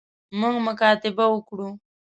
موږ مکاتبه وکړو.